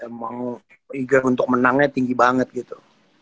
emang ega untuk menangnya tinggi banget gitu